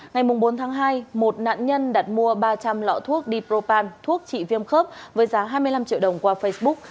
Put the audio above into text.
ngày bốn tháng hai một nạn nhân đặt mua ba trăm linh lọ thuốc dpropan thuốc trị viêm khớp với giá hai mươi năm triệu đồng qua facebook